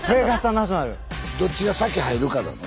どっちが先入るかなの？